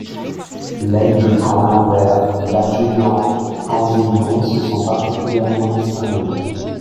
L'aide-de-camp Lambert, l'adjudant Cansillon se sont particulièrement distingués.